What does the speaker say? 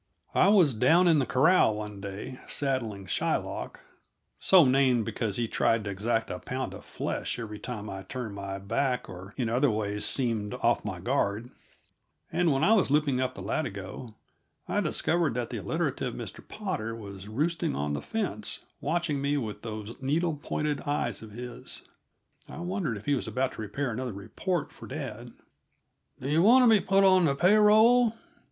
I was down in the corral one day, saddling Shylock so named because he tried to exact a pound of flesh every time I turned my back or in other ways seemed off my guard and when I was looping up the latigo I discovered that the alliterative Mr. Potter was roosting on the fence, watching me with those needle pointed eyes of his. I wondered if he was about to prepare another report for dad. "Do yuh want to be put on the pay roll?"